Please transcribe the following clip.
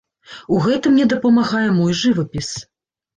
У гэтым мне дапамагае мой жывапіс.